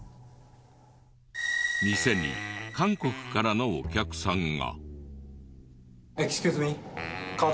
店に韓国からのお客さんが。